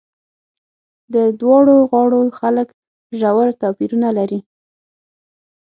د دواړو غاړو خلک ژور توپیرونه لري.